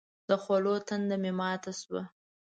د خولو تنده مې ماته شوه.